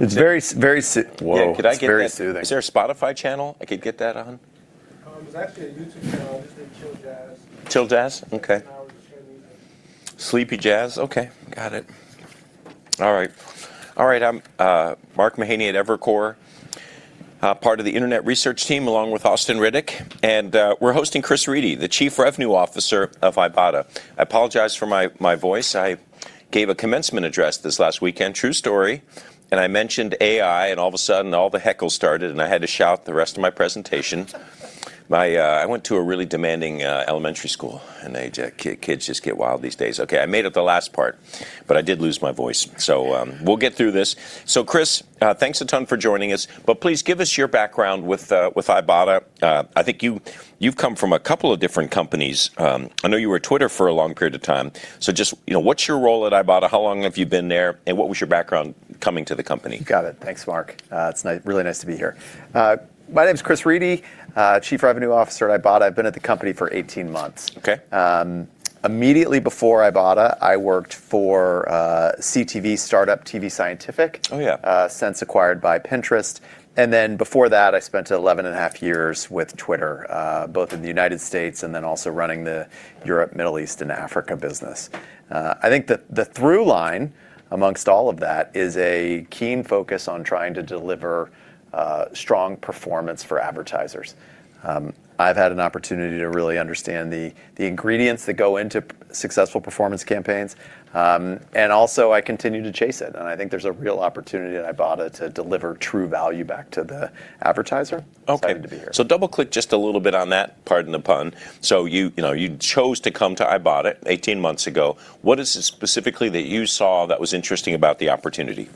It's very soothing. Yeah, could I get that? Is there a Spotify channel I could get that on? There's actually a YouTube channel just named Chill Jazz. Chill Jazz? Okay. It's an hour of streaming. Sleepy jazz. Okay. Got it. All right. I'm Mark Mahaney at Evercore, part of the internet research team, along with Austin Riddick. We're hosting Chris Riedy, the Chief Revenue Officer of Ibotta. I apologize for my voice. I gave a commencement address this last weekend, true story, and I mentioned AI, and all of a sudden all the heckles started, and I had to shout the rest of my presentation. I went to a really demanding elementary school, and kids just get wild these days. Okay, I made up the last part, but I did lose my voice. We'll get through this. Chris, thanks a ton for joining us, but please give us your background with Ibotta. I think you've come from a couple of different companies. I know you were at Twitter for a long period of time. Just, what's your role at Ibotta? How long have you been there, and what was your background coming to the company? Got it. Thanks, Mark. It's really nice to be here. My name's Chris Riedy, Chief Revenue Officer at Ibotta. I've been at the company for 18 months. Immediately before Ibotta, I worked for CTV startup, tvScientific since acquired by Pinterest. Before that, I spent 11.5 Years with Twitter, both in the United States and also running the Europe, Middle East, and Africa business. I think that the through line amongst all of that is a keen focus on trying to deliver strong performance for advertisers. I've had an opportunity to really understand the ingredients that go into successful performance campaigns. Also I continue to chase it, and I think there's a real opportunity at Ibotta to deliver true value back to the advertiser. Excited to be here. Double-click just a little bit on that, pardon the pun. You chose to come to Ibotta 18 months ago. What is it specifically that you saw that was interesting about the opportunity?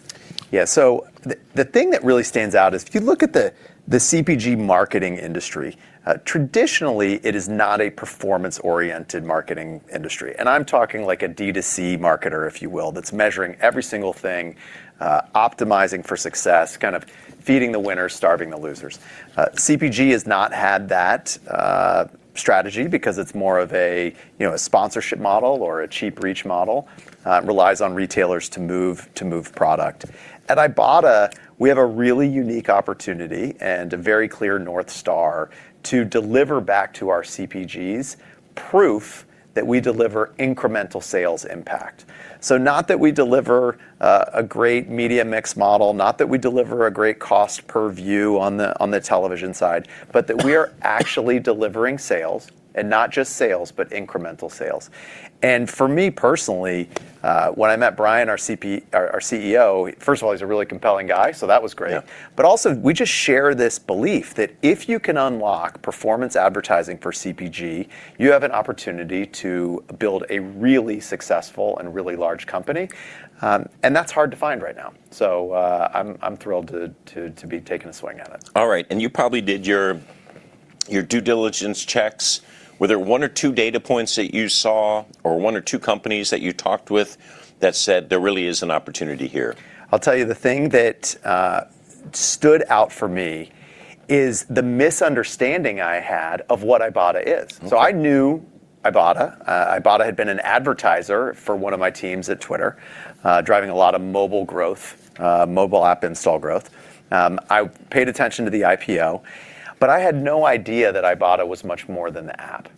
Yeah. The thing that really stands out is if you look at the CPG marketing industry, traditionally it is not a performance-oriented marketing industry. I'm talking like a D2C marketer, if you will, that's measuring every single thing, optimizing for success, kind of feeding the winners, starving the losers. CPG has not had that strategy because it's more of a sponsorship model or a cheap reach model. It relies on retailers to move product. At Ibotta, we have a really unique opportunity and a very clear North Star to deliver back to our CPGs proof that we deliver incremental sales impact. Not that we deliver a great media mix model, not that we deliver a great cost per view on the television side, but that we are actually delivering sales, and not just sales, but incremental sales. For me personally, when I met Bryan, our CEO, first of all, he's a really compelling guy, so that was great. Also, we just share this belief that if you can unlock performance advertising for CPG, you have an opportunity to build a really successful and really large company. That's hard to find right now. I'm thrilled to be taking a swing at it. All right. You probably did your due diligence checks. Were there one or two data points that you saw, or one or two companies that you talked with that said there really is an opportunity here? I'll tell you the thing that stood out for me is the misunderstanding I had of what Ibotta is. I knew Ibotta. Ibotta had been an advertiser for one of my teams at Twitter, driving a lot of mobile growth, mobile app install growth. I paid attention to the IPO. I had no idea that Ibotta was much more than the app.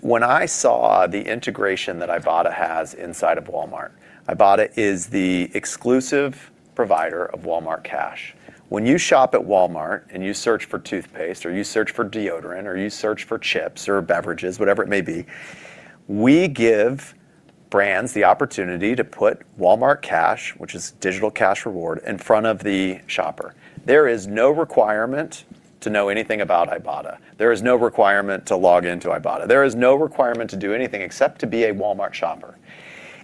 When I saw the integration that Ibotta has inside of Walmart, Ibotta is the exclusive provider of Walmart Cash. When you shop at Walmart and you search for toothpaste or you search for deodorant or you search for chips or beverages, whatever it may be, we give brands the opportunity to put Walmart Cash, which is digital cash reward, in front of the shopper. There is no requirement to know anything about Ibotta. There is no requirement to log in to Ibotta. There is no requirement to do anything except to be a Walmart shopper.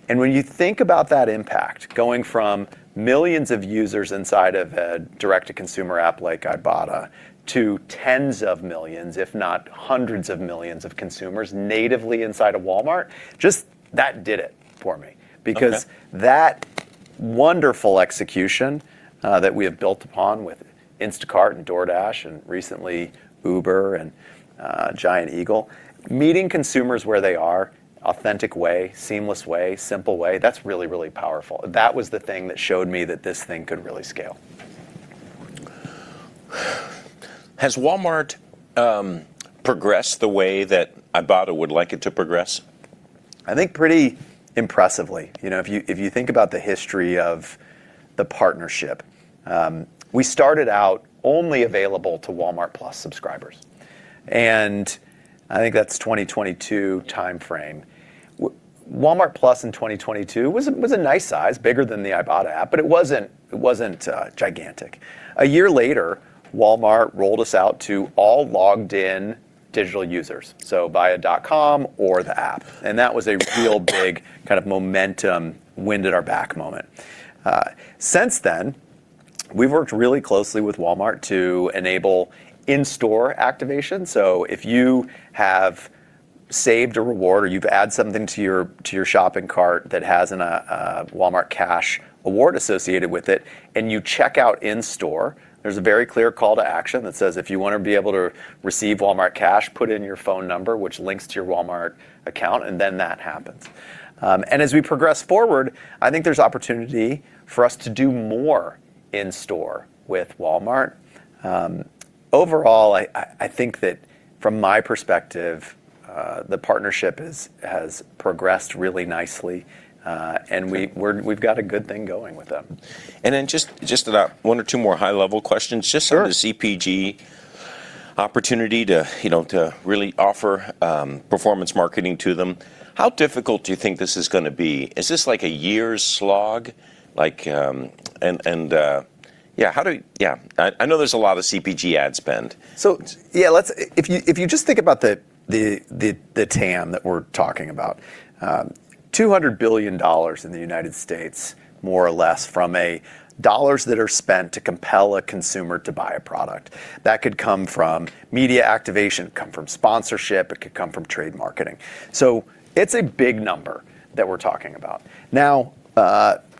When you think about that impact, going from millions of users inside of a direct-to-consumer app like Ibotta to tens of millions, if not hundreds of millions of consumers natively inside of Walmart, just that did it for me. That wonderful execution, that we have built upon with Instacart and DoorDash and recently Uber and Giant Eagle, meeting consumers where they are, authentic way, seamless way, simple way, that's really powerful. That was the thing that showed me that this thing could really scale. Has Walmart progressed the way that Ibotta would like it to progress? I think pretty impressively. If you think about the history of the partnership, we started out only available to Walmart+ subscribers, and I think that's 2022 timeframe. Walmart+ in 2022 was a nice size, bigger than the Ibotta app, but it wasn't gigantic. A year later, Walmart rolled us out to all logged-in digital users, so via .com or the app. That was a real big kind of momentum, wind at our back moment. Since then, we've worked really closely with Walmart to enable in-store activation. If you have saved a reward or you've added something to your shopping cart that has a Walmart Cash award associated with it and you check out in store, there's a very clear call to action that says, if you want to be able to receive Walmart Cash, put in your phone number, which links to your Walmart account, and then that happens. As we progress forward, I think there's opportunity for us to do more in store with Walmart. Overall, I think that from my perspective, the partnership has progressed really nicely, and we've got a good thing going with them. Just about one or two more high-level questions. Sure. Just the CPG opportunity to really offer performance marketing to them, how difficult do you think this is going to be? Is this like a year slog? I know there's a lot of CPG ad spend. Yeah. If you just think about the TAM that we're talking about, $200 billion in the United States, more or less, from dollars that are spent to compel a consumer to buy a product. That could come from media activation, come from sponsorship, it could come from trade marketing. It's a big number that we're talking about. Now,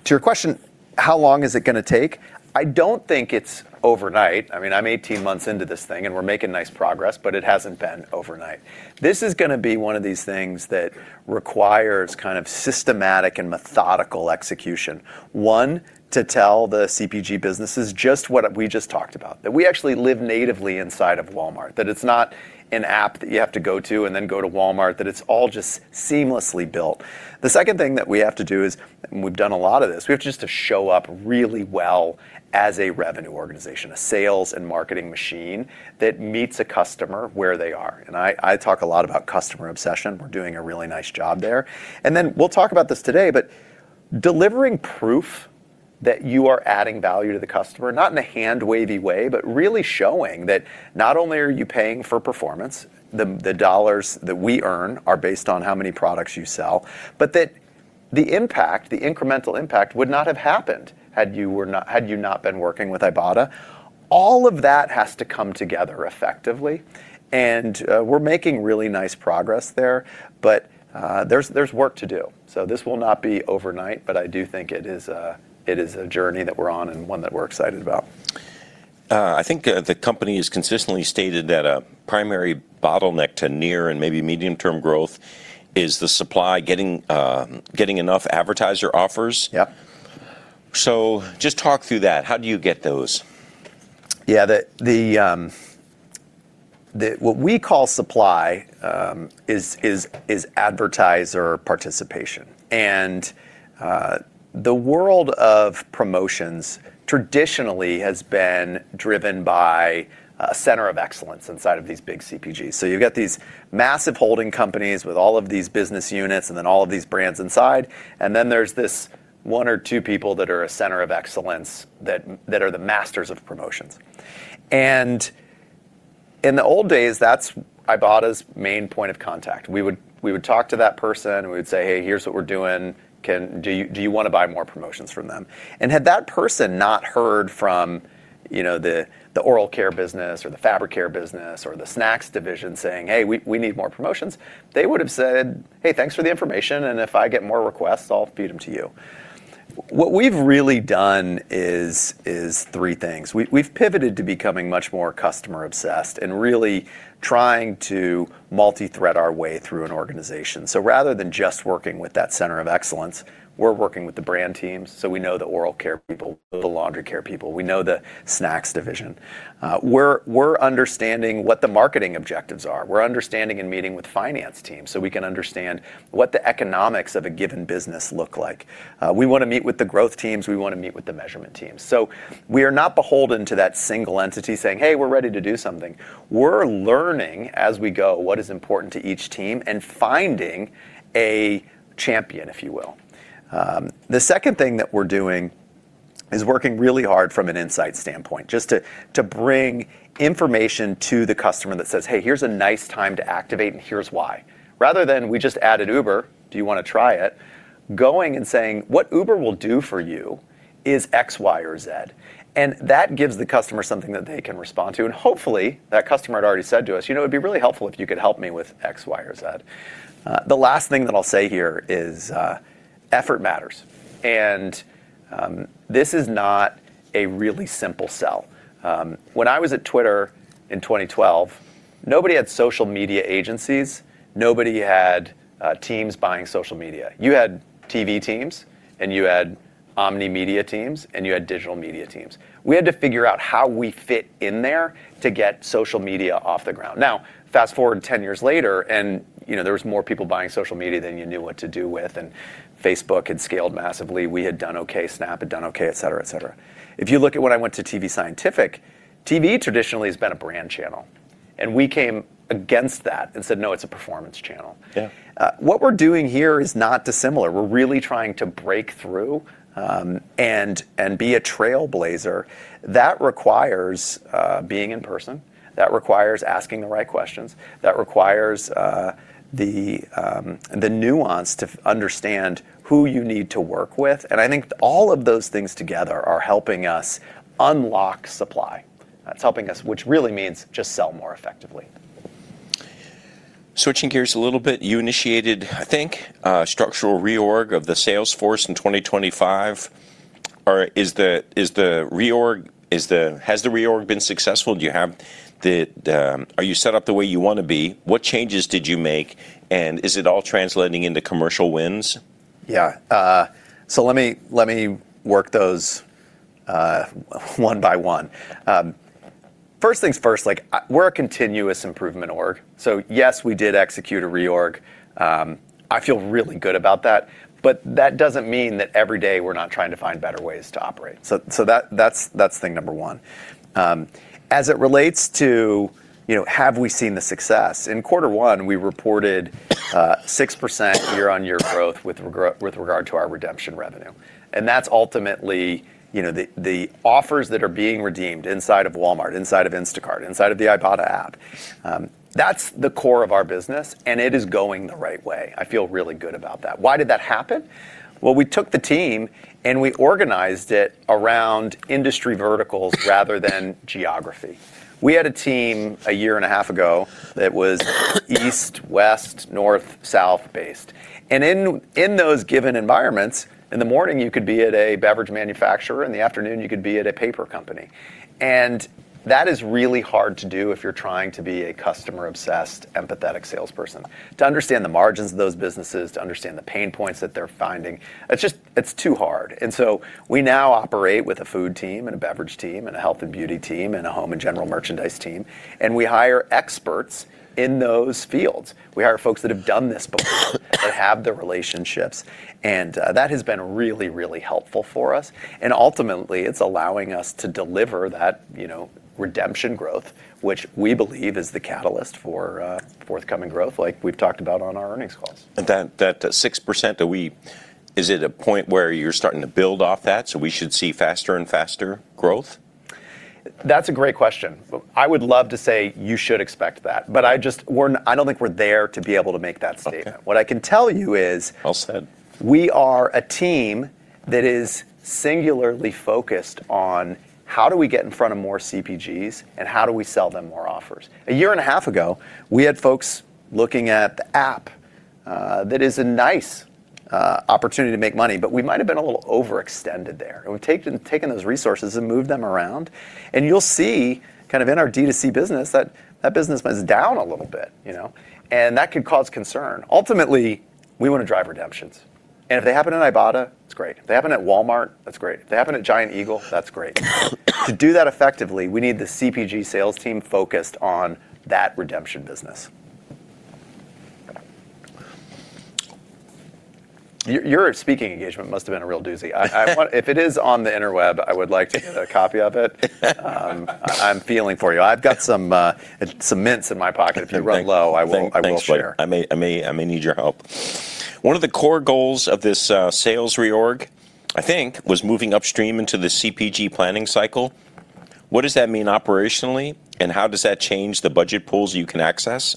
to your question, how long is it going to take? I don't think it's overnight. I'm 18 months into this thing, and we're making nice progress, but it hasn't been overnight. This is going to be one of these things that requires systematic and methodical execution. One, to tell the CPG businesses just what we just talked about, that we actually live natively inside of Walmart, that it's not an app that you have to go to and then go to Walmart, that it's all just seamlessly built. The second thing that we have to do is, and we've done a lot of this, we have just to show up really well as a revenue organization, a sales and marketing machine that meets a customer where they are. I talk a lot about customer obsession. We're doing a really nice job there. Then we'll talk about this today, but delivering proof that you are adding value to the customer, not in a hand-wavy way, but really showing that not only are you paying for performance, the dollars that we earn are based on how many products you sell, but that the impact, the incremental impact, would not have happened had you not been working with Ibotta. All of that has to come together effectively, and we're making really nice progress there. There's work to do. This will not be overnight, but I do think it is a journey that we're on and one that we're excited about. I think the company has consistently stated that a primary bottleneck to near and maybe medium-term growth is the supply getting enough advertiser offers. Just talk through that. How do you get those? Yeah. What we call supply is advertiser participation. The world of promotions traditionally has been driven by a center of excellence inside of these big CPGs. You'll get these massive holding companies with all of these business units and then all of these brands inside, and then there's this one or two people that are a center of excellence that are the masters of promotions. In the old days, that's Ibotta's main point of contact. We would talk to that person, and we would say, "Hey, here's what we're doing. Do you want to buy more promotions from them?" Had that person not heard from the oral care business or the fabric care business or the snacks division saying, "Hey, we need more promotions," they would've said, "Hey, thanks for the information, and if I get more requests, I'll feed them to you." What we've really done is three things. We've pivoted to becoming much more customer obsessed and really trying to multi-thread our way through an organization. Rather than just working with that center of excellence, we're working with the brand teams, so we know the oral care people, the laundry care people. We know the snacks division. We're understanding what the marketing objectives are. We're understanding and meeting with finance teams so we can understand what the economics of a given business look like. We want to meet with the growth teams. We want to meet with the measurement teams. We are not beholden to that single entity saying, "Hey, we're ready to do something." We're learning as we go what is important to each team and finding a champion, if you will. The second thing that we're doing is working really hard from an insight standpoint, just to bring information to the customer that says, "Hey, here's a nice time to activate, and here's why." Rather than, "We just added Uber. Do you want to try it?" Going and saying, "What Uber will do for you is X, Y, or Z." That gives the customer something that they can respond to, and hopefully, that customer had already said to us, "It'd be really helpful if you could help me with X, Y, or Z." The last thing that I'll say here is effort matters. This is not a really simple sell. When I was at Twitter in 2012, nobody had social media agencies. Nobody had teams buying social media. You had TV teams, and you had omni media teams, and you had digital media teams. We had to figure out how we fit in there to get social media off the ground. Fast-forward 10 years later, there was more people buying social media than you knew what to do with, Facebook had scaled massively. We had done okay. Snap had done okay, etc. If you look at when I went to tvScientific, TV traditionally has been a brand channel. We came against that and said, "No, it's a performance channel. What we're doing here is not dissimilar. We're really trying to break through and be a trailblazer. That requires being in person. That requires asking the right questions. That requires the nuance to understand who you need to work with. I think all of those things together are helping us unlock supply. That's helping us, which really means just sell more effectively. Switching gears a little bit, you initiated, I think, a structural reorg of the sales force in 2025. Has the reorg been successful? Are you set up the way you want to be? What changes did you make, and is it all translating into commercial wins? Yeah. Let me work those one by one. First things first, we're a continuous improvement org. Yes, we did execute a reorg. I feel really good about that, but that doesn't mean that every day we're not trying to find better ways to operate. That's thing number one. As it relates to have we seen the success, in Q1, we reported 6% year-on-year growth with regard to our redemption revenue. That's ultimately the offers that are being redeemed inside of Walmart, inside of Instacart, inside of the Ibotta app. That's the core of our business, and it is going the right way. I feel really good about that. Why did that happen? Well, we took the team, and we organized it around industry verticals rather than geography. We had a team a year and a half ago that was east, west, north, south-based. In those given environments, in the morning you could be at a beverage manufacturer, in the afternoon you could be at a paper company. That is really hard to do if you're trying to be a customer-obsessed, empathetic salesperson. To understand the margins of those businesses, to understand the pain points that they're finding, it's too hard. We now operate with a food team, and a beverage team, and a health and beauty team, and a home and general merchandise team, and we hire experts in those fields. We hire folks that have done this before that have the relationships, and that has been really, really helpful for us. Ultimately, it's allowing us to deliver that redemption growth, which we believe is the catalyst for forthcoming growth, like we've talked about on our earnings calls. That 6%, is it a point where you're starting to build off that, so we should see faster and faster growth? That's a great question. I would love to say you should expect that, but I don't think we're there to be able to make that statement. What I can tell you. Well said. We are a team that is singularly focused on how do we get in front of more CPGs, how do we sell them more offers. A year and a half ago, we had folks looking at the app. That is a nice opportunity to make money, we might've been a little overextended there. We've taken those resources and moved them around, you'll see in our D2C business that that business was down a little bit. That could cause concern. Ultimately, we want to drive redemptions. If they happen in Ibotta, it's great. If they happen at Walmart, that's great. If they happen at Giant Eagle, that's great. To do that effectively, we need the CPG sales team focused on that redemption business. Your speaking engagement must've been a real doozy. If it is on the interweb, I would like a copy of it. I'm feeling for you. I've got some mints in my pocket. If you run low, I will share. Thanks, buddy. I may need your help. One of the core goals of this sales reorg, I think, was moving upstream into the CPG planning cycle. What does that mean operationally, and how does that change the budget pools you can access?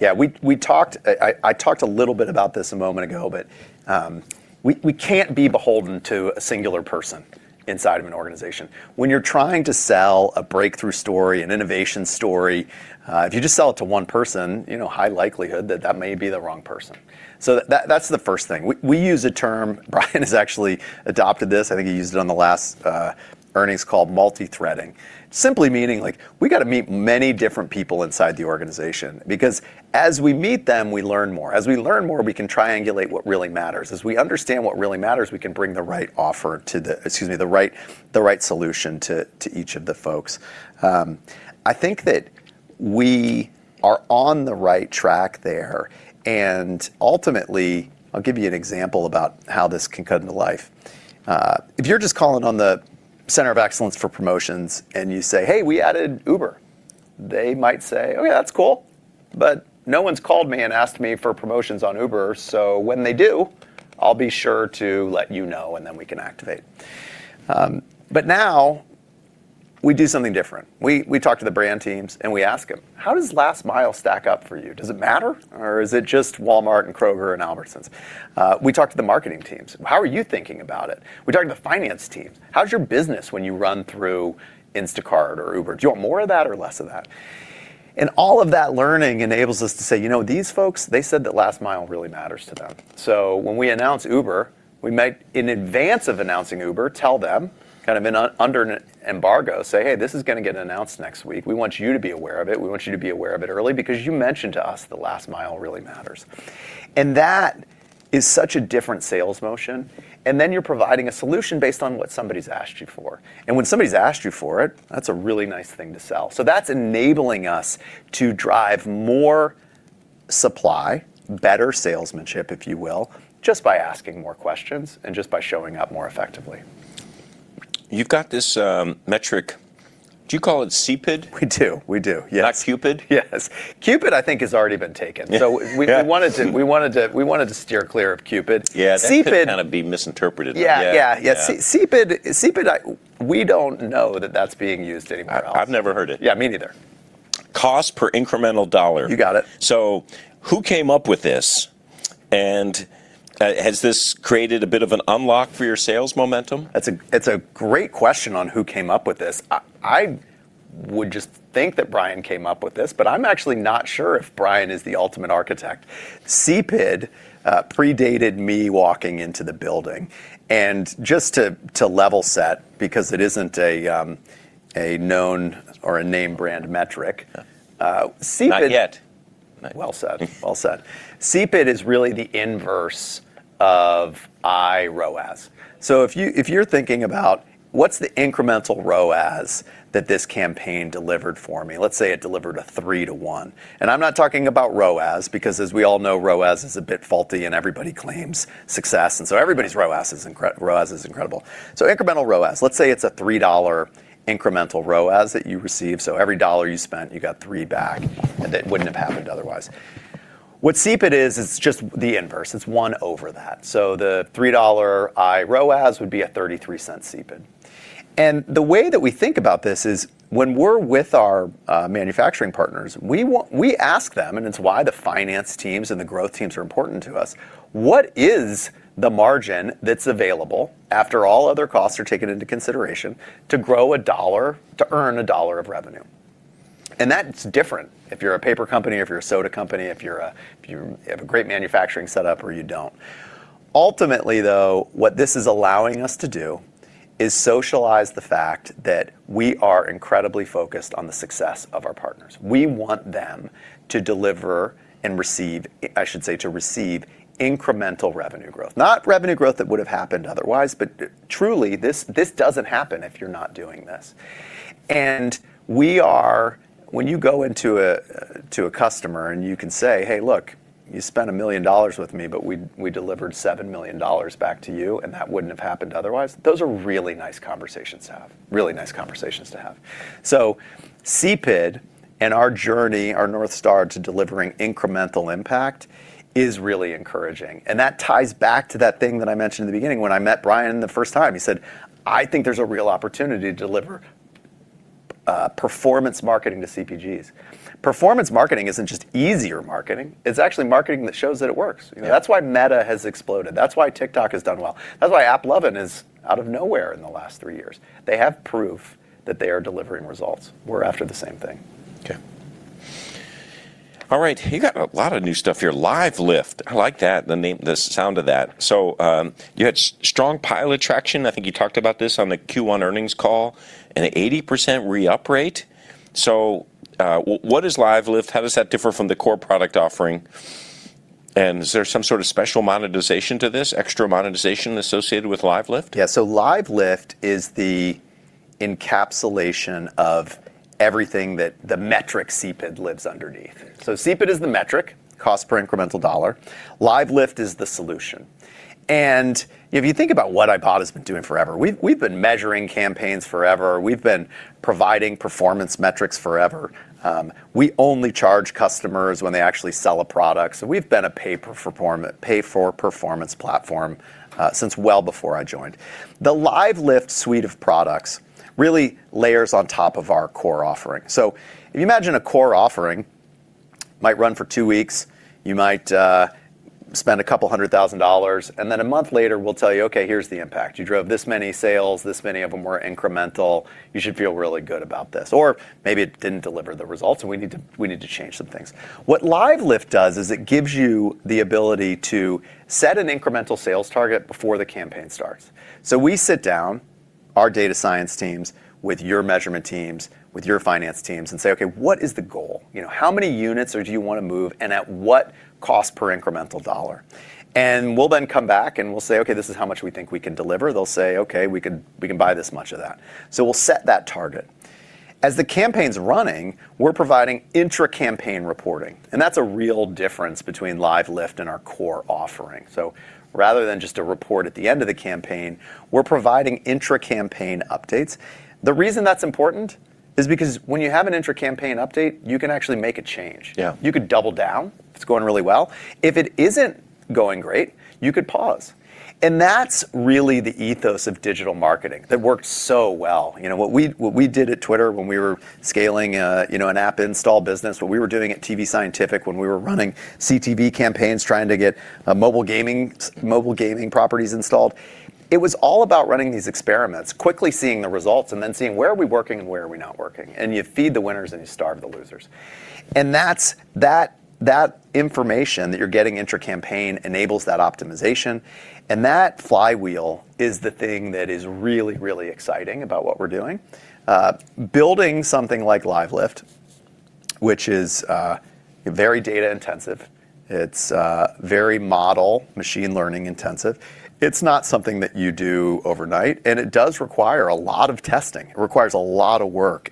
Yeah. I talked a little bit about this a moment ago. We can't be beholden to a singular person inside of an organization. When you're trying to sell a breakthrough story, an innovation story, if you just sell it to one person, high likelihood that that may be the wrong person. That's the first thing. We use a term, Bryan has actually adopted this, I think he used it on the last earnings, called multi-threading. Simply meaning, we got to meet many different people inside the organization because as we meet them, we learn more. As we learn more, we can triangulate what really matters. As we understand what really matters, we can bring the right solution to each of the folks. I think that we are on the right track there, and ultimately, I'll give you an example about how this can come to life. If you're just calling on the center of excellence for promotions and you say, "Hey, we added Uber," they might say, "Oh yeah, that's cool, but no one's called me and asked me for promotions on Uber. So when they do, I'll be sure to let you know, and then we can activate." Now we do something different. We talk to the brand teams, and we ask them, "How does Last Mile stack up for you? Does it matter, or is it just Walmart and Kroger and Albertsons?" We talk to the marketing teams. "How are you thinking about it?" We talk to the finance team. "How's your business when you run through Instacart or Uber? Do you want more of that or less of that? All of that learning enables us to say, "These folks, they said that Last Mile really matters to them." When we announce Uber, we might, in advance of announcing Uber, tell them, under an embargo, say, "Hey, this is going to get announced next week. We want you to be aware of it. We want you to be aware of it early because you mentioned to us that Last Mile really matters." That is such a different sales motion. You're providing a solution based on what somebody's asked you for. When somebody's asked you for it, that's a really nice thing to sell. That's enabling us to drive more supply, better salesmanship, if you will, just by asking more questions and just by showing up more effectively. You've got this metric, do you call it CPID? We do. We do, yes. Not Cupid? Yes. CPID, I think, has already been taken. We wanted to steer clear of Cupid. CPID. That could kind of be misinterpreted. Yeah. CPID, we don't know that that's being used anywhere else. I've never heard it. Yeah, me neither. Cost per incremental dollar. You got it. Who came up with this, and has this created a bit of an unlock for your sales momentum? It's a great question on who came up with this. I would just think that Bryan came up with this, but I'm actually not sure if Bryan is the ultimate architect. CPID predated me walking into the building, just to level set, because it isn't a known or a name brand metric. CPID. Not yet. Well said. CPID is really the inverse of iROAS. If you're thinking about what's the incremental ROAS that this campaign delivered for me, let's say it delivered a three to one. I'm not talking about ROAS because as we all know, ROAS is a bit faulty and everybody claims success. Everybody's ROAS is incredible. Incremental ROAS, let's say it's a $3 incremental ROAS that you receive. Every dollar you spent, you got three back. It wouldn't have happened otherwise. What CPID is, it's just the inverse. It's one over that. The $3 iROAS would be a $0.33 CPID. The way that we think about this is when we're with our manufacturing partners, we ask them, and it's why the finance teams and the growth teams are important to us, what is the margin that's available after all other costs are taken into consideration to grow a dollar, to earn a dollar of revenue? That's different if you're a paper company or if you're a soda company, if you have a great manufacturing setup or you don't. Ultimately, though, what this is allowing us to do is socialize the fact that we are incredibly focused on the success of our partners. We want them to deliver and receive, I should say, to receive incremental revenue growth. Not revenue growth that would have happened otherwise, but truly, this doesn't happen if you're not doing this. When you go into a customer and you can say, "Hey, look, you spent $1 million with me, but we delivered $7 million back to you, and that wouldn't have happened otherwise," those are really nice conversations to have. CPID and our journey, our North Star, to delivering incremental impact is really encouraging, and that ties back to that thing that I mentioned in the beginning when I met Bryan the first time. He said, "I think there's a real opportunity to deliver performance marketing to CPGs." Performance marketing isn't just easier marketing, it's actually marketing that shows that it works. That's why Meta has exploded. That's why TikTok has done well. That's why AppLovin is out of nowhere in the last three years. They have proof that they are delivering results. We're after the same thing. Okay. All right. You got a lot of new stuff here. LiveLift. I like the sound of that. You had strong pilot traction, I think you talked about this on the Q1 earnings call, an 80% re-up rate. What is LiveLift? How does that differ from the core product offering? Is there some sort of special monetization to this, extra monetization associated with LiveLift? Yeah. LiveLift is the encapsulation of everything that the metric CPID lives underneath. CPID is the metric, cost per incremental dollar. LiveLift is the solution. If you think about what Ibotta's been doing forever, we've been measuring campaigns forever. We've been providing performance metrics forever. We only charge customers when they actually sell a product. We've been a pay-for-performance platform, since well before I joined. The LiveLift suite of products really layers on top of our core offering. If you imagine a core offering might run for two weeks, you might spend a couple hundred thousand dollars, a month later, we'll tell you, "Okay, here's the impact. You drove this many sales, this many of them were incremental. You should feel really good about this." Maybe it didn't deliver the results, and we need to change some things. What LiveLift does is it gives you the ability to set an incremental sales target before the campaign starts. We sit down, our data science teams, with your measurement teams, with your finance teams, and say, "Okay, what is the goal?" How many units or do you want to move and at what cost per incremental dollar? We'll then come back and we'll say, "Okay, this is how much we think we can deliver." They'll say, "Okay, we can buy this much of that." We'll set that target. As the campaign's running, we're providing intra-campaign reporting, and that's a real difference between LiveLift and our core offering. Rather than just a report at the end of the campaign, we're providing intra-campaign updates. The reason that's important is because when you have an intra-campaign update, you can actually make a change. You could double down if it's going really well. If it isn't going great, you could pause. That's really the ethos of digital marketing that worked so well. What we did at Twitter when we were scaling an app install business, what we were doing at tvScientific when we were running CTV campaigns, trying to get mobile gaming properties installed, it was all about running these experiments, quickly seeing the results, seeing where are we working and where are we not working? You feed the winners, you starve the losers. That information that you're getting intra-campaign enables that optimization, that flywheel is the thing that is really, really exciting about what we're doing. Building something like LiveLift, which is very data-intensive, it's very model, machine learning intensive. It's not something that you do overnight, it does require a lot of testing. It requires a lot of work.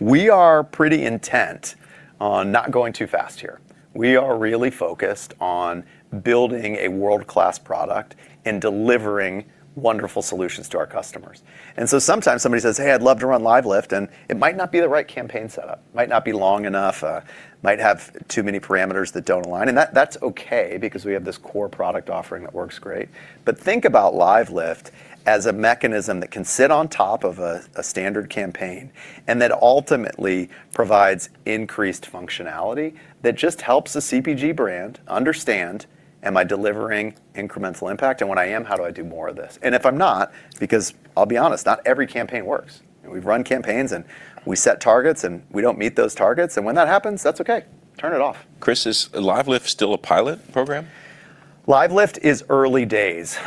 We are pretty intent on not going too fast here. We are really focused on building a world-class product and delivering wonderful solutions to our customers. Sometimes somebody says, "Hey, I'd love to run LiveLift," and it might not be the right campaign set up, might not be long enough, might have too many parameters that don't align, and that's okay because we have this core product offering that works great. Think about LiveLift as a mechanism that can sit on top of a standard campaign and that ultimately provides increased functionality that just helps the CPG brand understand, am I delivering incremental impact? When I am, how do I do more of this? If I'm not, because I'll be honest, not every campaign works. We've run campaigns, we set targets, we don't meet those targets, when that happens, that's okay. Turn it off. Chris, is LiveLift still a pilot program? LiveLift is early days.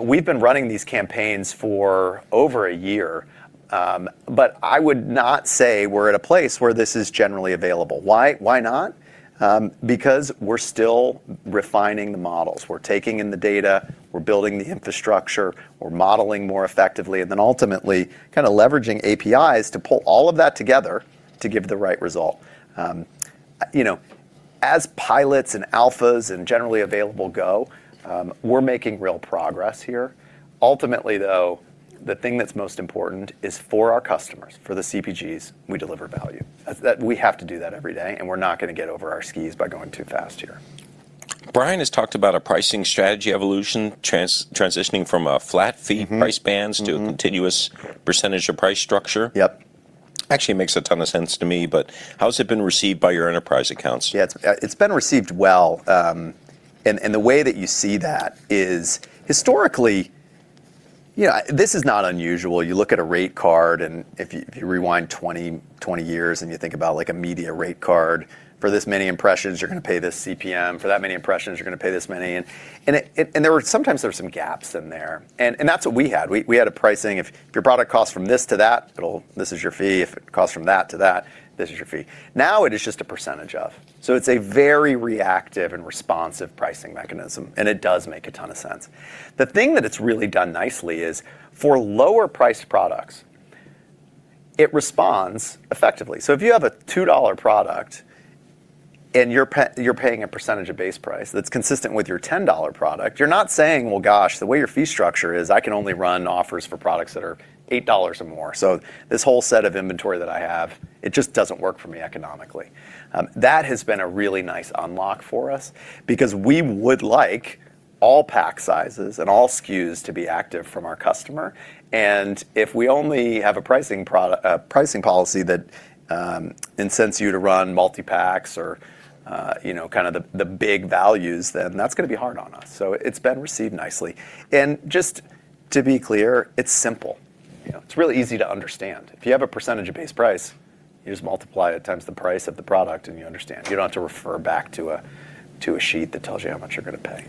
We've been running these campaigns for over a year, but I would not say we're at a place where this is generally available. Why not? Because we're still refining the models. We're taking in the data, we're building the infrastructure, we're modeling more effectively, and then ultimately, kind of leveraging APIs to pull all of that together to give the right result. As pilots and alphas and generally available go, we're making real progress here. Ultimately, though, the thing that's most important is for our customers, for the CPGs, we deliver value. We have to do that every day, and we're not going to get over our skis by going too fast here. Bryan has talked about a pricing strategy evolution, transitioning from a flat-fee price bands to a continuous percentage of price structure. Yep. Actually makes a ton of sense to me, but how has it been received by your enterprise accounts? Yeah, it's been received well. The way that you see that is historically, this is not unusual. You look at a rate card, and if you rewind 20 years and you think about a media rate card, for this many impressions, you're going to pay this CPM. For that many impressions, you're going to pay this many. Sometimes there are some gaps in there, and that's what we had. We had a pricing, if your product costs from this to that, this is your fee. If it costs from that to that, this is your fee. It is just a percentage of, so it's a very reactive and responsive pricing mechanism, and it does make a ton of sense. The thing that it's really done nicely is for lower-priced products, it responds effectively. If you have a $2 product and you're paying a percentage of base price that's consistent with your $10 product, you're not saying, "Well, gosh, the way your fee structure is, I can only run offers for products that are $8 or more." This whole set of inventory that I have, it just doesn't work for me economically. That has been a really nice unlock for us because we would like all pack sizes and all SKUs to be active from our customer. If we only have a pricing policy that incents you to run multi-packs or kind of the big values, then that's going to be hard on us. It's been received nicely. Just to be clear, it's simple. It's really easy to understand. If you have a percentage of base price, you just multiply it times the price of the product and you understand. You don't have to refer back to a sheet that tells you how much you're going to pay.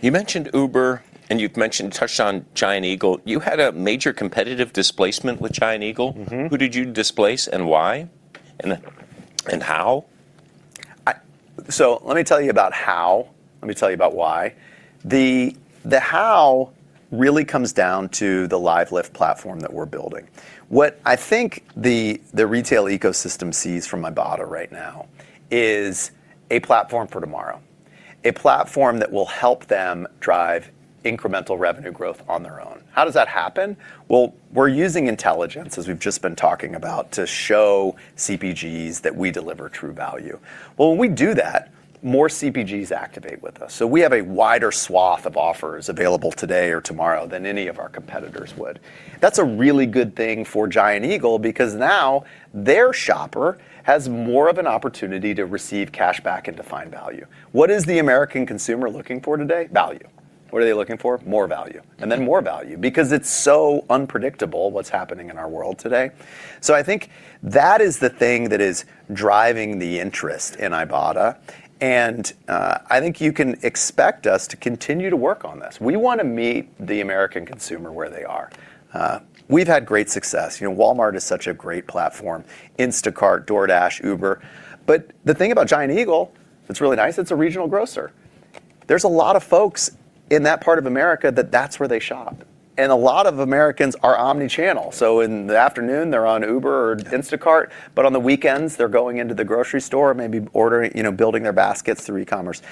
You mentioned Uber and you touched on Giant Eagle. You had a major competitive displacement with Giant Eagle. Who did you displace and why, and how? Let me tell you about how. Let me tell you about why. The how really comes down to the LiveLift platform that we're building. What I think the retail ecosystem sees from Ibotta right now is a platform for tomorrow. A platform that will help them drive incremental revenue growth on their own. How does that happen? Well, we're using intelligence, as we've just been talking about, to show CPGs that we deliver true value. Well, when we do that, more CPGs activate with us. We have a wider swath of offers available today or tomorrow than any of our competitors would. That's a really good thing for Giant Eagle because now their shopper has more of an opportunity to receive cash back and defined value. What is the American consumer looking for today? Value. What are they looking for? More value, and then more value because it's so unpredictable what's happening in our world today. I think that is the thing that is driving the interest in Ibotta, and I think you can expect us to continue to work on this. We want to meet the American consumer where they are. We've had great success. Walmart is such a great platform. Instacart, DoorDash, Uber. The thing about Giant Eagle, it's really nice, it's a regional grocer. There's a lot of folks in that part of America that that's where they shop. A lot of Americans are omni-channel. In the afternoon, they're on Uber or Instacart, but on the weekends, they're going into the grocery store, maybe building their baskets through e-commerce.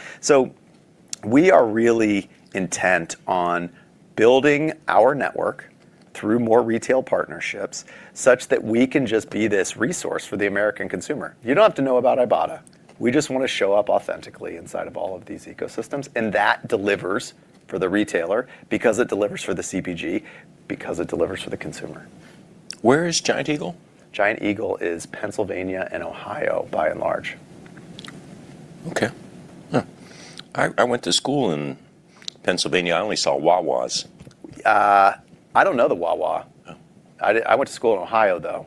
We are really intent on building our network through more retail partnerships such that we can just be this resource for the American consumer. You don't have to know about Ibotta. We just want to show up authentically inside of all of these ecosystems, and that delivers for the retailer because it delivers for the CPG, because it delivers for the consumer. Where is Giant Eagle? Giant Eagle is Pennsylvania and Ohio, by and large. Okay. I went to school in Pennsylvania. I only saw Wawas. I don't know the Wawa. I went to school in Ohio, though.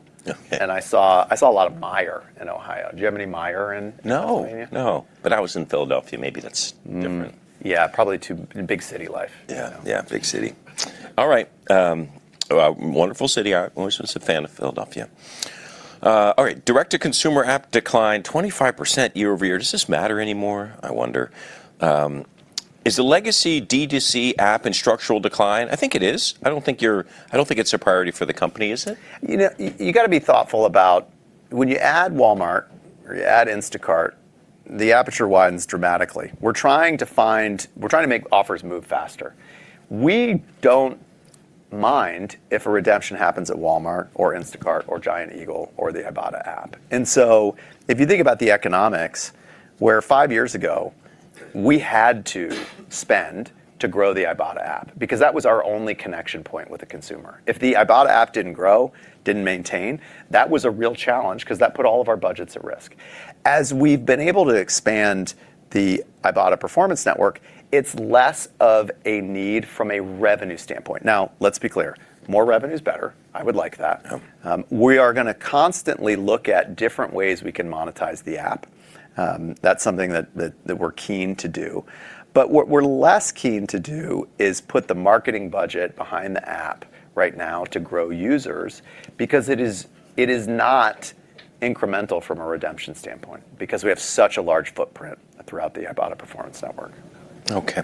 I saw a lot of Meijer in Ohio. Do you have any Meijer in Pennsylvania? No. I was in Philadelphia. Maybe that's different. Yeah. Probably too big city life. Yeah. Big city. All right. Wonderful city. I've always been a fan of Philadelphia. All right. Direct-to-consumer app declined 25% year-over-year. Does this matter anymore, I wonder? Is the legacy D2C app in structural decline? I think it is. I don't think it's a priority for the company, is it? You've got to be thoughtful about when you add Walmart or you add Instacart, the aperture widens dramatically. We're trying to make offers move faster. We don't mind if a redemption happens at Walmart or Instacart or Giant Eagle or the Ibotta app. If you think about the economics, where five years ago, we had to spend to grow the Ibotta app because that was our only connection point with the consumer. If the Ibotta app didn't grow, didn't maintain, that was a real challenge because that put all of our budgets at risk. As we've been able to expand the Ibotta Performance Network, it's less of a need from a revenue standpoint. Now, let's be clear, more revenue is better. I would like that. We are going to constantly look at different ways we can monetize the app. That's something that we're keen to do. What we're less keen to do is put the marketing budget behind the app right now to grow users because it is not incremental from a redemption standpoint, because we have such a large footprint throughout the Ibotta Performance Network. Okay.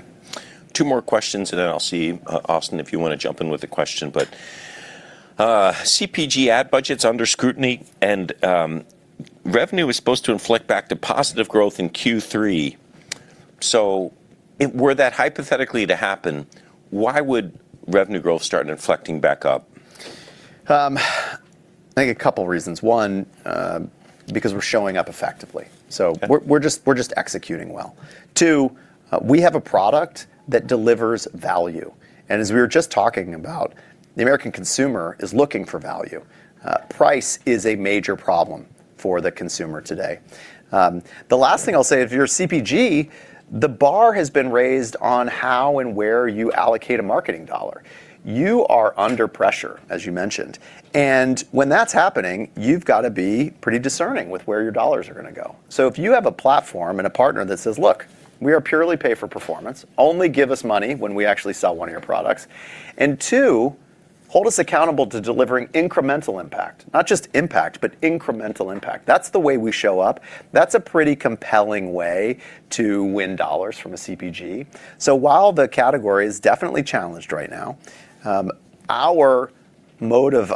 Two more questions, then I'll see, Austin, if you want to jump in with a question, but CPG ad budgets under scrutiny, and revenue is supposed to inflect back to positive growth in Q3. Were that hypothetically to happen, why would revenue growth start inflecting back up? I think a couple of reasons. One, because we're showing up effectively. We're just executing well. Two, we have a product that delivers value. As we were just talking about, the American consumer is looking for value. Price is a major problem for the consumer today. The last thing I'll say, if you're CPG, the bar has been raised on how and where you allocate a marketing dollar. You are under pressure, as you mentioned. When that's happening, you've got to be pretty discerning with where your dollars are going to go. If you have a platform and a partner that says, "Look, we are purely pay for performance. Only give us money when we actually sell one of your products." Two, "Hold us accountable to delivering incremental impact," not just impact, but incremental impact. That's the way we show up. That's a pretty compelling way to win dollars from a CPG. While the category is definitely challenged right now, our mode of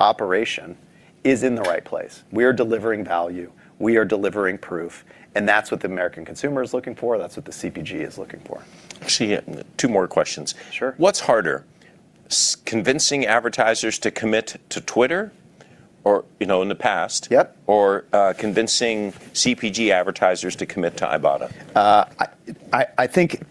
operation is in the right place. We are delivering value. We are delivering proof, and that's what the American consumer is looking for. That's what the CPG is looking for. Let's see. Two more questions. Sure. What's harder, convincing advertisers to commit to Twitter or convincing CPG advertisers to commit to Ibotta? I think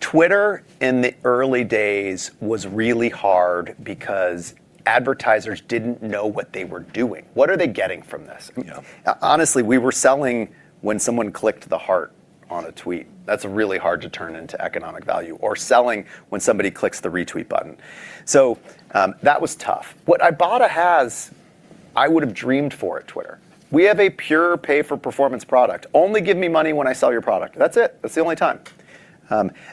Twitter, in the early days, was really hard because advertisers didn't know what they were doing. What are they getting from this? Honestly, we were selling when someone clicked the heart on a tweet. That's really hard to turn into economic value. Selling when somebody clicks the retweet button. That was tough. What Ibotta has, I would've dreamed for at Twitter. We have a pure pay-for-performance product. Only give me money when I sell your product. That's it. That's the only time.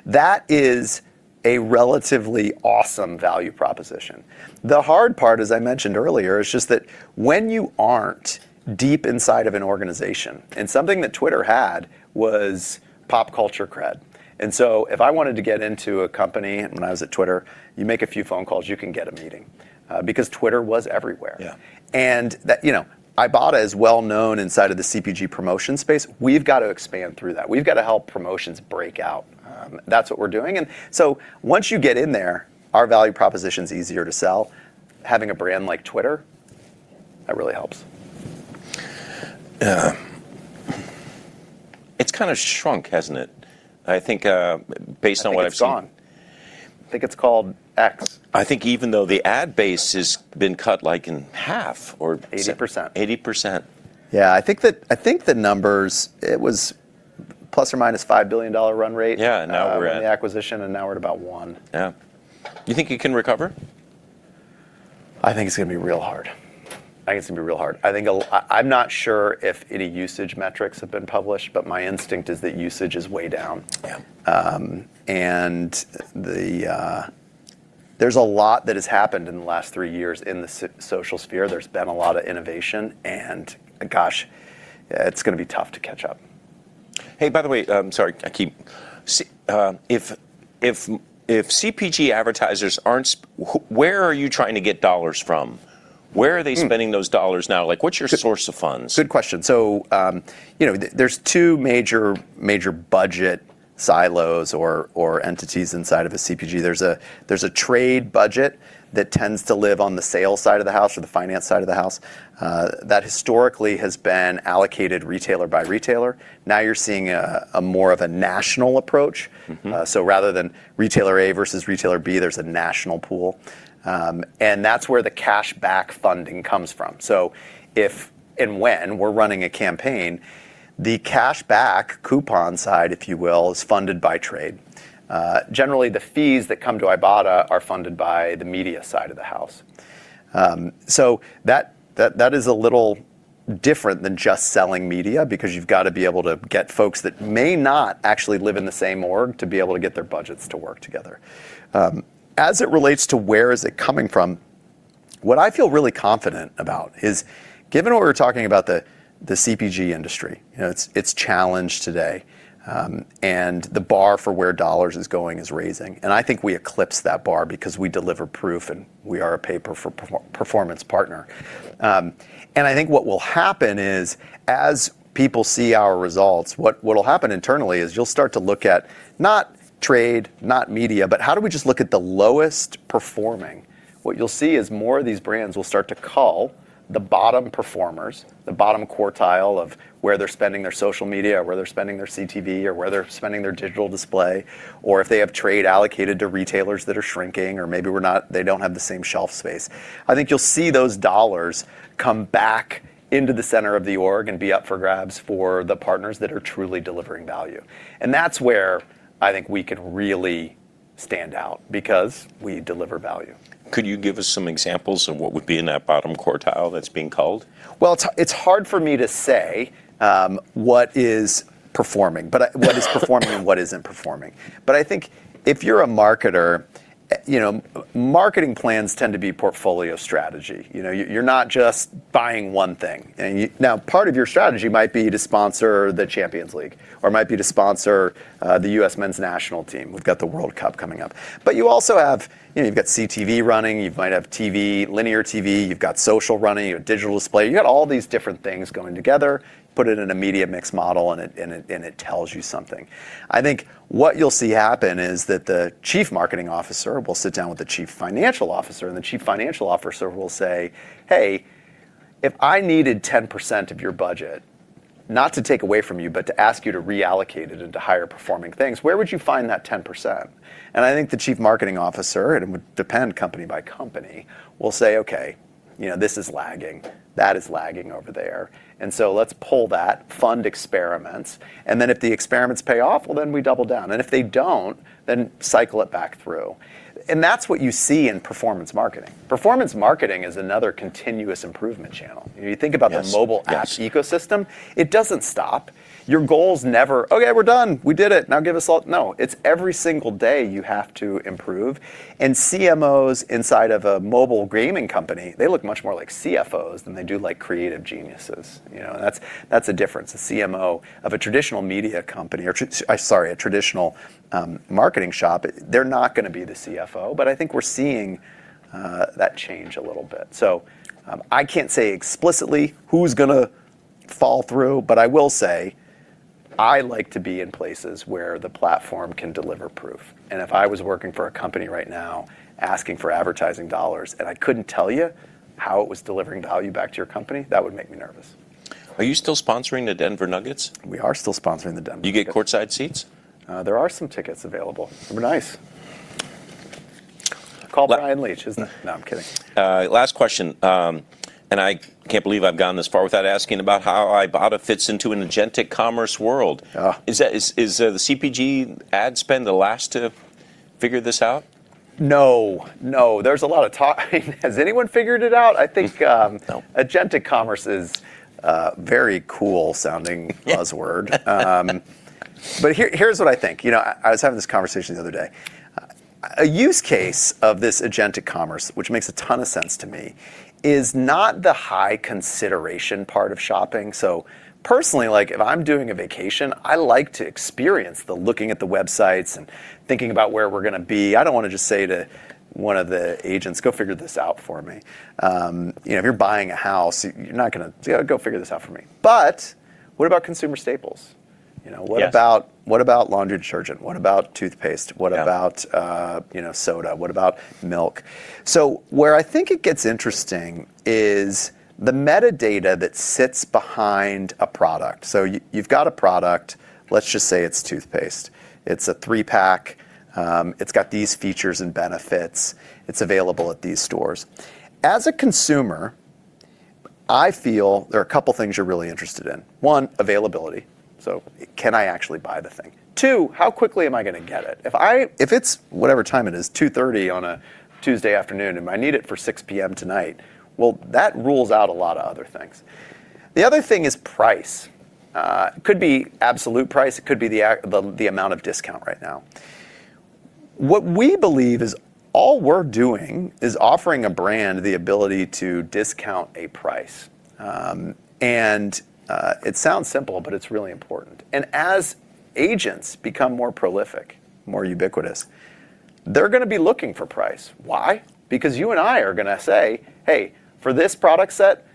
That is a relatively awesome value proposition. The hard part, as I mentioned earlier, is just that when you aren't deep inside of an organization, and something that Twitter had was pop culture cred. If I wanted to get into a company when I was at Twitter, you make a few phone calls, you can get a meeting, because Twitter was everywhere. Ibotta is well-known inside of the CPG promotion space. We've got to expand through that. We've got to help promotions break out. That's what we're doing. Once you get in there, our value proposition's easier to sell. Having a brand like Twitter, that really helps. It's kind of shrunk, hasn't it? I think, based on what I've seen. I think it's gone. I think it's called X. I think even though the ad base has been cut like in half or? 80%. 80%. Yeah, I think the numbers, it was ±$5 billion run rate- Yeah, now we're at. -in the acquisition, and now we're at about one. Yeah. You think you can recover? I think it's going to be real hard. I think it's going to be real hard. I'm not sure if any usage metrics have been published, but my instinct is that usage is way down. There's a lot that has happened in the last three years in the social sphere. There's been a lot of innovation, and gosh, it's going to be tough to catch up. Hey, by the way, if CPG advertisers aren't, where are you trying to get dollars from? Where are they spending those dollars now? Like, what's your source of funds? Good question. There's two major budget silos or entities inside of a CPG. There's a trade budget that tends to live on the sales side of the house or the finance side of the house. That historically has been allocated retailer by retailer. You're seeing a more of a national approach. Rather than retailer A versus retailer B, there's a national pool. That's where the cash back funding comes from. If and when we're running a campaign, the cash back coupon side, if you will, is funded by trade. Generally, the fees that come to Ibotta are funded by the media side of the house. That is a little different than just selling media because you've got to be able to get folks that may not actually live in the same org to be able to get their budgets to work together. As it relates to where is it coming from, what I feel really confident about is, given what we were talking about, the CPG industry, its challenge today, and the bar for where dollars is going is raising. I think we eclipse that bar because we deliver proof and we are a pay-for-performance partner. I think what will happen is, as people see our results, what'll happen internally is you'll start to look at not trade, not media, but how do we just look at the lowest performing. What you'll see is more of these brands will start to cull the bottom performers, the bottom quartile of where they're spending their social media, or where they're spending their CTV, or where they're spending their digital display, or if they have trade allocated to retailers that are shrinking or maybe they don't have the same shelf space. I think you'll see those dollars come back into the center of the org and be up for grabs for the partners that are truly delivering value. That's where I think we can really stand out because we deliver value. Could you give us some examples of what would be in that bottom quartile that's being culled? Well, it's hard for me to say, what is performing and what isn't performing. I think if you're a marketer, you know, marketing plans tend to be portfolio strategy. You're not just buying one thing. Now part of your strategy might be to sponsor the Champions League or might be to sponsor the U.S. Men's National Team. We've got the World Cup coming up. You've also got CTV running, you might have linear TV, you've got social running, you have digital display. You've got all these different things going together, put it in a media mix model, and it tells you something. I think what you'll see happen is that the Chief Marketing Officer will sit down with the Chief Financial Officer. The Chief Financial Officer will say, "Hey, if I needed 10% of your budget, not to take away from you, but to ask you to reallocate it into higher performing things, where would you find that 10%?" I think the Chief Marketing Officer, and it would depend company by company, will say, "Okay. This is lagging. That is lagging over there, and so let's pull that, fund experiments, and then if the experiments pay off, well, then we double down. If they don't, then cycle it back through." That's what you see in performance marketing. Performance marketing is another continuous improvement channel. You think about the mobile app ecosystem, it doesn't stop. Your goal's never, "Okay, we're done. We did it. Now give us" No. It's every single day you have to improve, and CMOs inside of a mobile gaming company, they look much more like CFOs than they do like creative geniuses. That's a difference. A CMO of a traditional media company or, sorry, a traditional marketing shop, they're not going to be the CFO, but I think we're seeing that change a little bit. I can't say explicitly who's going to fall through, but I will say I like to be in places where the platform can deliver proof, and if I was working for a company right now asking for advertising dollars, and I couldn't tell you how it was delivering value back to your company, that would make me nervous. Are you still sponsoring the Denver Nuggets? We are still sponsoring the Denver Nuggets. Do you get courtside seats? There are some tickets available. Nice. Call Bryan Leach, isn't it? No, I'm kidding. Last question, and I can't believe I've gone this far without asking about how Ibotta fits into an agentic commerce world. Is the CPG ad spend the last to figure this out? No. There's a lot of talk. Has anyone figured it out? No, agentic commerce is a very cool sounding buzzword. Here's what I think. I was having this conversation the other day. A use case of this agentic commerce, which makes a ton of sense to me, is not the high consideration part of shopping. Personally, if I'm doing a vacation, I like to experience the looking at the websites and thinking about where we're going to be. I don't want to just say to one of the agents, "Go figure this out for me." If you're buying a house, you're not going to, "Go figure this out for me." What about consumer staples? What about laundry detergent? What about toothpaste? What about soda? What about milk? Where I think it gets interesting is the metadata that sits behind a product. You've got a product, let's just say it's toothpaste. It's a three-pack. It's got these features and benefits. It's available at these stores. As a consumer, I feel there are a couple things you're really interested in. One, availability. Can I actually buy the thing? Two, how quickly am I going to get it? If it's whatever time it is, 2:30 P.M. on a Tuesday afternoon, and I need it for 6:00 P.M. tonight, well, that rules out a lot of other things. The other thing is price. Could be absolute price, it could be the amount of discount right now. What we believe is all we're doing is offering a brand the ability to discount a price, and it sounds simple, but it's really important. As agents become more prolific, more ubiquitous, they're going to be looking for price. Why? Because you and I are going to say, "Hey, for this product set,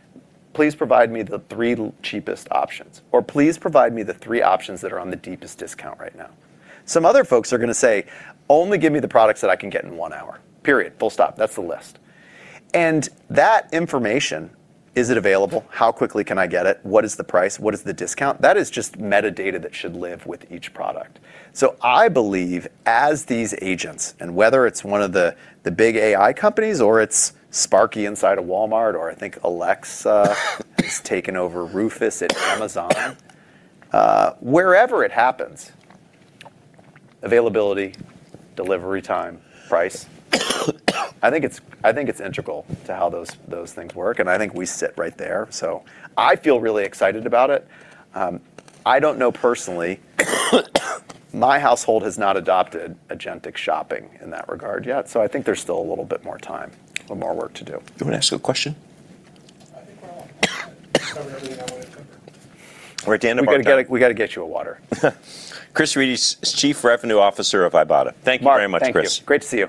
please provide me the three cheapest options," or, "Please provide me the three options that are on the deepest discount right now." Some other folks are going to say, "Only give me the products that I can get in one hour, period, full stop." That's the list. That information, is it available? How quickly can I get it? What is the price? What is the discount? That is just metadata that should live with each product. I believe as these agents, whether it's one of the big AI companies or it's Sparky inside of Walmart, or I think Alexa has taken over Rufus at Amazon. Wherever it happens, availability, delivery, time, price. I think it's integral to how those things work, and I think we sit right there. So I feel really excited about it. I don't know personally. My household has not adopted agentic commerce in that regard yet, so I think there's still a little bit more time, a little more work to do. You want to ask you a question? I think we're all done. We covered everything I wanted to cover. We're at the end of our time. We've got to get you a water. Chris is Chief Revenue Officer of Ibotta. Thank you very much, Chris. Mark, thank you. Great to see you.